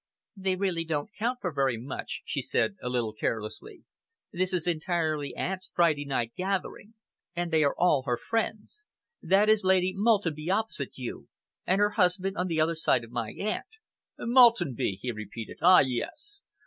"They really don't count for very much," she said, a little carelessly. "This is entirely aunt's Friday night gathering, and they are all her friends. That is Lady Maltenby opposite you, and her husband on the other side of my aunt." "Maltenby," he repeated. "Ah, yes!